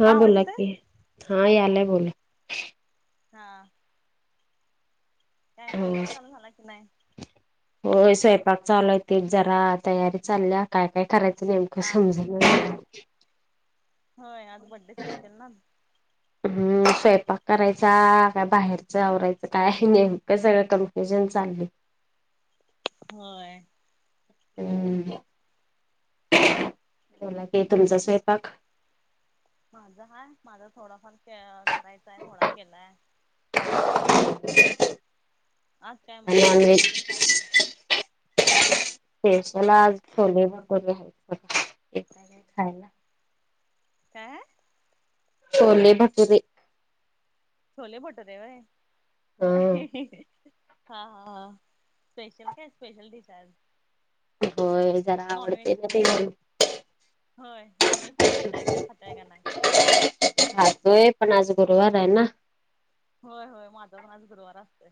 हा आवाज बोला येतोय की हा यालाय बोला. हा. काय स्वयंपाक चालू झाला की नाह? हो स्वयंपाक चालूते जरा तयारी चालल्या काय, काय करायचं नेमकं हा समज हम् [inaudible] होय आज बड्डे स्पेशल ना, हम्म स्वयंपाक करायचा काय बाहेरच आवरायचं काय हे नेमकं सगळं कन्फ्युजन चाले होय. हम्म बोला की तुमचा स्वयंपाक माझं हा माझं थोडाफार क्ये करायचांय थोडा केलाय. [inaudible] आज काय मग आज नॉनव्हेज स्पेशल काय करू. स्पेशल आज छोले भटोरे आहेत [unintelligible] एकदा खायला. काय? छोले भटुरे. छोले भटूरे व्हय. हा हा हा स्पेशल काय स्पेशल डिश आहेज. ओय जरा आवडते ना, ते होय नॉन व्हहेज तीन खाता का खाताय का खातोय पण आज गुरुवार आहे ना होय होय माझं पण आज गुरुवार असतंय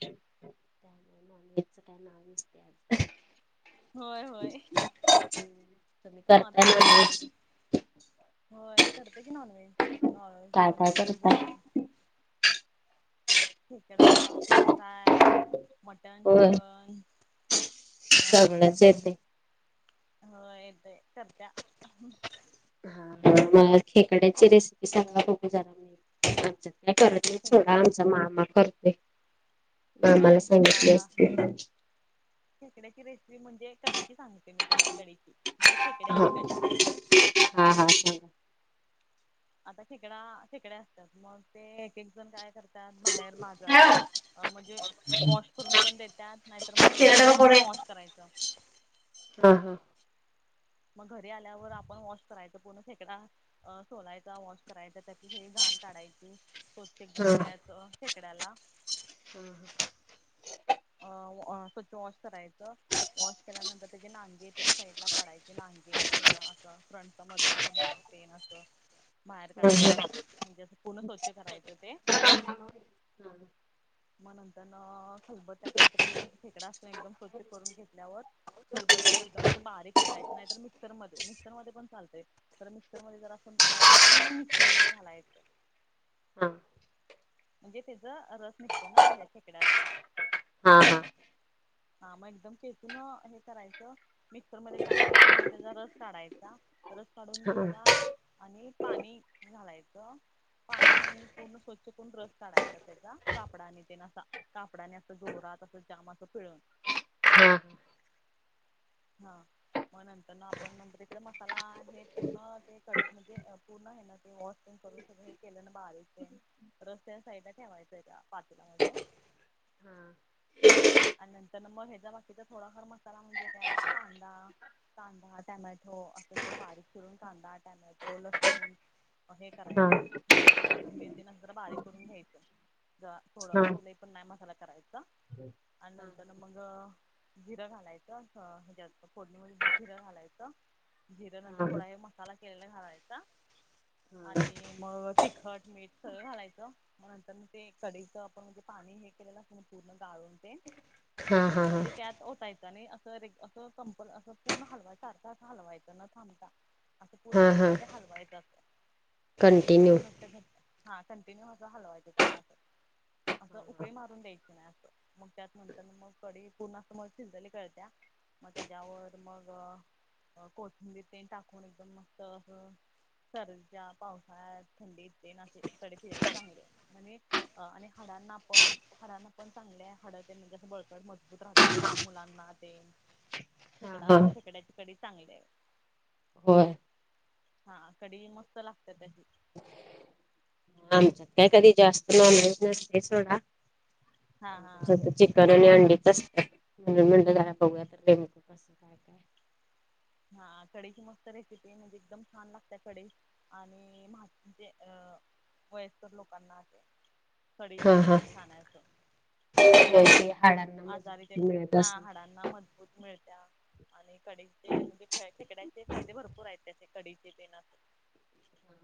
मा याचं काय नाव नसते आज होय होय तुम माझा पण गुरुवार करताय असतोय होय करते की नॉन व्हेज नॉन काय काय व्हेज करताय बुधवा ठेकडा फिश फ्राय मटन होय चिकन हा सगळंच येते हो येत आहे करचा हा मला खेकड्याची रेसिपी चांग बघू जणार म आमच्यात काय कर ोड खेकड्याची आमचा मामा करतेय मामाला होय हा सांगितले हा असते खेकड्याची रेसिपी म्हणजे कडीची सांगते मी तुला कढची म्हणजे हा खेकड्याची कढ हा हा सां आता खेकडा खेकडे्या असतात मग ते एक एक जण काय करतात बाहेर बाजारात अ म्हणजे वॉश करून पण देतात नाहीतर मग सांगा. आपण वॉश करायचं हा हा मग घरी आल्यावर आपण वॉश करायचं पूर्ण फेकडा अ सोलायचा वॉश करायचा त्याची स घाण काढायची हो एकदम भधुळ्याच शेकड्याला ह ह [unintelligible] अ स्वच्छ वॉश करायचं वॉश केल्यानंतर त्याचे नांगे पेंट साईड ला काढायचं नागे त्या असं फ्रंटचा मधला असं भाग पेन असं बाहेर काढायचं म्हणजे असं पुन स्वचछ करायचं ते मग नंतर ना खलबत्यात म्ह पूर्ण फेकडा अस एकदम स्वच्छ करून घेतल्यावर खलबत्यात एकदम अस बारीक कु कायच नाही तर मिक्सर मध्ये मिक्सर मध्ये पण चालतय तर मिक्सर मध्ये जर आपण केकून मग मिक्सर म घालायचं हा म्हणजे त्याचा रस निघतो ना खेकड्याचा हा हा हा मग एकदम खचून हे करायचं मिक्सरमध्ये काढायच मग त्याचा रस काढायचा रस काढून जरा आणि पाणी घालायचं पाण्या आणि पूर्ण स्वच्छ करून रस काढायचा त्याचा कापडा आणि ते नसा कापडाने असं जोरात असं जाम असं फिळून हा हा मग नंतर ना आपण नंतर तकडे मसाला हे पूर्ण ते क म्हणजे पूर्ण आहे ना ते वॉ करून सगळ हे केलं ना बाहेारीचे रस्त्या साईड ठेवायचंय त्या पाटूलामध्येध्ये [unintelligible] आणि नंतर मग ह्याचा बाकीचा थोडाफार मसाला म्हणजे काय कांदा कांदा टॅमॅटो असं एकदम बारीक चिरून कांदा टॅमॅटो लसूण हे हा करायचं बारीक कोथिंबीरेत नंतर बारीक करून घ्यायचं. थोडं हा हा हा हा असलाही पण नाही मझाला करायचं. आणि नंतर मग जिरं घालायचं हच्यात फोडणीमध्ये झिरं घालायचं झिरे नंतर थोडा हे मसाला केलेला घालायचा. आणि मग तिखट मीठ, सगळं घालायचं. मग नंतर, ते कडीचं आपण म्हणजे पाणी हे केलेलं अस, पूर्ण गाळून ते. हा मग हा ते त्यात वत्याच आणि, असं रे असं कंपल असं, पूर्ण हलवाय सारखं असं, हलवायचं न थांबता असं पूर्ण हा हा कडीला ते हलवायचं असतं. मग ते कंटिन्यू मग घट्ट घट हा, कंटिन्यू असं हलवायचं त्याला असं, असं उकळी मारून द्यायची नाही असं मग त्यात नंतर मग कडी पूर्ण अस मग सिलजली कळत्या मग त्याच्यावर मग कोथिंबी टाकून एकदम मगत सर्दीच्या पावसाात थंडी इते ना तडे फिरायला चांगले म्हणजे आणि हाडांना पण हाडांना पण चांगले आहे हाडं ते म्हणजे असं बळकट मजबूत राहतात. लहान मुलांना ते, हा खेकडा, हा खेकड्याची कडी चांगली आहे. होय, हा कडी मस्त, लागते त्याची, आमच्यात काय कधी जास्त नॉनव्हेज, नसते सोडून हा हा आच्या करणं ही अडीच च असत, म्हणून म्हटलं जरा बघूया करून, [unintelligible] हा कडीची मस्त रेसिपी म्हणजे, एकदम छान लागते कढ आणि म्ह म्हणजे, अ वयस्कर लोकांना असे. हा [unintelligible] हा. एकदम छान आहे अस, [unintelligible] आजारी मजबूती त्यांण मिळत हा, असेल. हाडांना मजबूत मिळत्या. आणि कढचे म्हणजे खे खेकड्याचे, फायदे भरपूर आहत त्याचे कढचे असं, [unintelligible]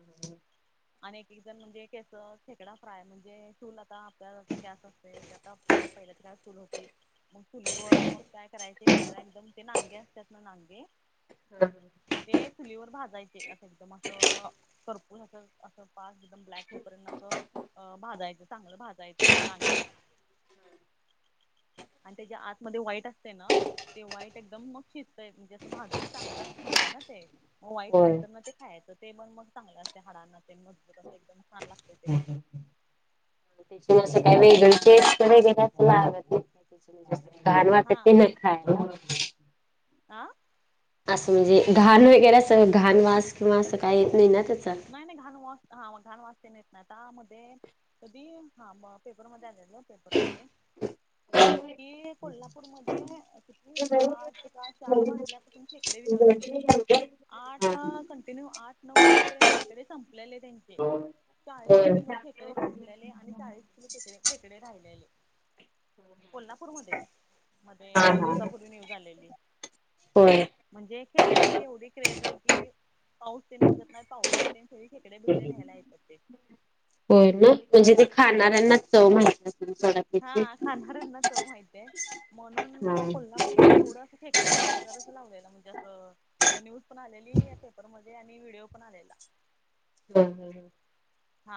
आणि एक एक जण म्हणजे केस, खेकडा फ्राय म्हणजे चूल आता गॅस असते ते, आता पहिल्या त्यात, चूल होती मग, चुलीवर मग काय करायचे, खेकडा एकदम ते नागे असतात ना नांगे ते चुलीवर भाजायचे असं, एकदम अस करपूस अस असं पाच एकदम, ब्लॅक होपर्यंत असं भाजायचं चांगलं भाजायचं ते नागे. आणि त्याच्या, आतमध्ये वाईट असते ना. ते वाईट एकदम मग शिजतय, म्हणजे असं भाजून चांगलं होतं ना ते वाईट होय. नंतर ना ते खायचं ते पण, मग चांगलं असते हाडांना ते मजबत अस एकदम छान ला त्या काहीअशी, वेगळंटेस्ट वघेरे लागत नाही. घाण वाटतं नाही ना? खायला, आं! असं म्हणजे घाण वगैरे अस, घाण वास किंवा असं काही येत नाही ना त्याच नाही, नाही घाण वास हां मग घाण वाचते नाहीेत नाही, आतामध्ये कधी हां मग फेब्रुवारी मध्ये आणलेलं. पेपर मध्ये ती कोल्हापूरमध्ये किती पाच, का चार वाजल्यापासून खेकडे विकत होते. हा आठ, कंटिन्यू आठ नऊ, वाजेपर्यंत खेकडे संपलेले त्यांचे, चाळीस होय. किलो खेकडे संपल्याले, आणि चाळीस किलो खेकडे राहिलेले. [unintelligible] कोल्हापूरमध्येच मध्ये, दोन दिवसापूर्वी न्यूज आलेली. होय. म्हणजे खेकड्यांची एवढी क्रेज आहे, की पाऊस तन बघत नाहित, पावसात तेण, खेकडे, बिकडे न्यायला येतात ते. हो ना म्हणजे ते, खाणाऱ्यांना चव माहित, हा त्याची. खाणाऱ्यांनाचव माहितय, हा. म्हणून कोल्हापूरमध्ये एवढंअसं, खेडायचं बाजारच लावलायला, म्हणजे असं. न्यूज पण आलेली, या पेपरमध्येध्ये आणि व्हिडिओ पण आलेला. हम, हम, ह, हा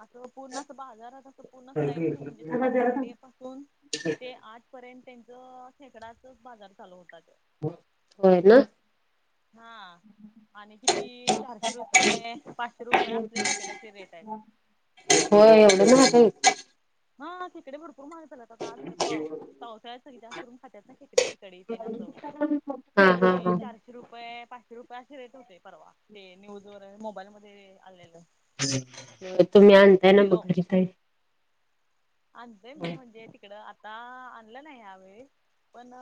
असं पूर्ण अस बाजारत असं पूर्ण ती लाईनच म्हणजे सकाळी पहाटे पासून ते आठ पर्यंत त्यांच खेकडाचच बाजार चालू होता त्यो बोल होय ना हा आणि किती चारशे रुपये पाचशे रुपये असले खेकड्याचे रेटयत. हो एवढं, महाग आहेत. हा खेकडे, भरपूर महाग झालात. पण, पावसाळ्या सगळे जास्त करून खातात ना, खेकड्याची कडी तेसं असं. हा हा आणि चार, [unintelligible] पाचशे रुपये असे रेट होते, परवा ते न्यूज वर, मोबाईल मध्ये आलेलं, तुम्ही आणताय ना मग घरी ताई आणतेय मी म्हणजे तिकडं आता आणलं नाही ह्या वेेळेस पण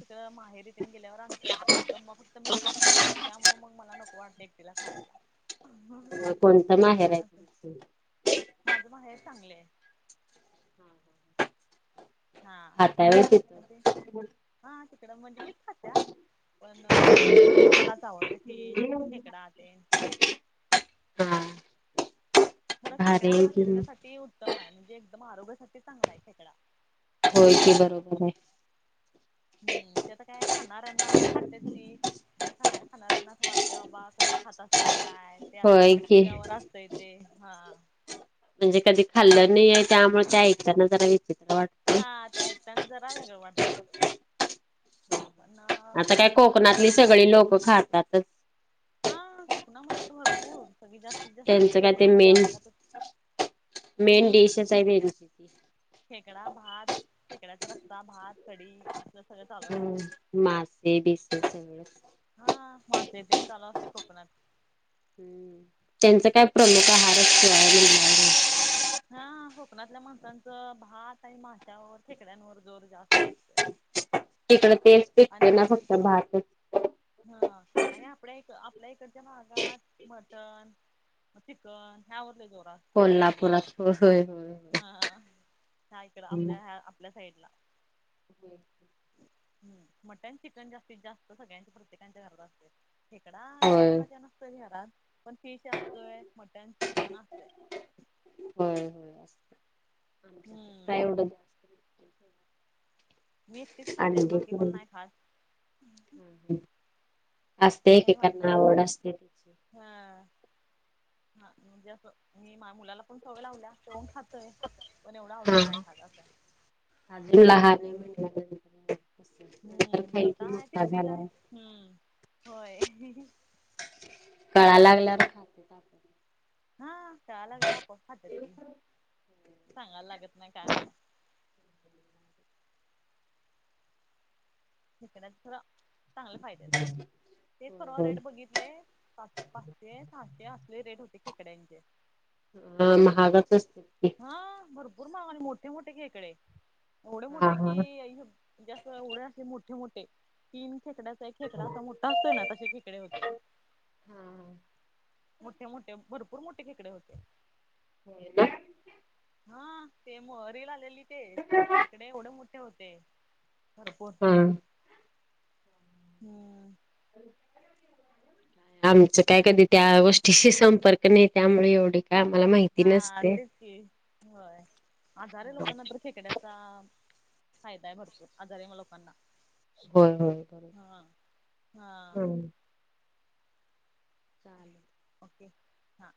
तिकड माहेरी तेन गेल्यावर आणतोय आम्ही इथं फक्त मीच खात्या. त्यामुळे मग मला नको वाटतं एकटीला खायाला माहेराय माझं माहेर सांगलीय. हा राहताय व्हय तिथं. त ते हा तिकडं म्हणजे मीच खात्या. पण मी मलाच आवडतय फीश, खेकडा तेन हम खर खेकडा हा शरीरासाठी उत्तमाय म्हणजे एकदम आरोग्यासाठी चांगलाय खेकडा होय की बरोबराय हम्म ते आता काय खाणाऱ्यांना खात्यात ती न खाना खाणाऱ्यांना असं वाटतय बाबा कस खात अस तील काय ते आता होय की प्रत्येकावर असतय ते हा म्हणजे कधी खाल्लं नाईये त्यामुळे ते ऐकताना जरा विचित्र वाट हा ते ऐकताना जरा वेगळ वागतय ते पण भरपूर जण खात्यात. हो खातातच. हा कोकणामध्ये तर भरपूर सगळी जास्त ते जास्त करून त्यांचं काय ते कोकणामध्ये मेन आपल्या तर मेन हम् डिशच आहे त्यांची ती. खेकडा भात, खेकड्याचा रस्सा, भात, कडी सगळं चालू असतंय हम्म मासे बिसे सगळच हा मासे तेन चालू असतय कोकणात हम् त्यांचा काय प्रमुख हम्म. आहारच त्यो आहे म्हणल्या हा कोकणातल्या माणसांचं भात आणि माशावर खेकड्यांवर जोर जास्त असं तिकड तेच पिकत ना आणि फक्त भात हा आणि आपल्या इक आपल्या इकडच्या भागात म टन चिकन ह्यावर लय जोर सगळ्यांचा कोल्हापुरात होय होय होय होय हा हा ह्याहिकडं आपल्या ह्या आपल्या साईडला हम्म हम्म मटन चिकन जास्तीत जास्त सगळ्यांच्या प्रत्येकच्या घरात असतय. खेकडा एवढा होय कुणाच्या नसतोय घरात पण फिश असतोय मटन, चिकन असतय. होय होय काय हम्म येवढ मी एकटीच खात्या अंडी बाकी कोण तेन नाय खात. असते मी आणि माझे एकेकांना पप्पा आवड असते त्याची हा हा म्हणजे अस मी माया मुलाला पण सवय लावल्या त्योन खातोय पण एवढं आवडीन हा नाय खात असंय. अजून लहाने म्हणल्यावर नंतर हम्म खाईल आता कि आहे मोठ्ठा तिसरीला आहे झाल्यावर हम्म. होय कळा लागल्यावर [unintelligible] हा कळाय लागल्याव आपोआप खात्यात ती सांगाय लागत नाही काय नाय [unintelligible] चांगले फायदे आहेत. तेच होय परवा होय रेट बघित ले पा पाचशे सहाशे असले रेट होते खेकड्यांचे. हा महागच असतय. हा भरपूर मावाने आणि मोठे मोठे खेकळे एवढे हा मोठे हा की आई श म्हणजे असं एवढे असे मोठे मोठे तीन खेकड्याचा एक खेकडा असा मोठा असतोय ना तसे खेकडे होते. हा हा मोठे मोठे, भरपूर मोठे खेकडे होते. होय ना. हा ते मो रिल आलेली ते. खेकडे एवढे मोठे होते, भरपूर. हां. हम्म. [unintelligible] आमचं काय कधी त्या गोष्टीशी संपर्क नाही, त्यामुळ एवढी काय आम्हाला माहिती हा नसते. तेच की होय. आजारी लोकांना तर खेकड्याचा फायदाय भरपूर, आजारे लोकांना. होय होय. हां, हां. बरोबर. चालेल. ओके हां.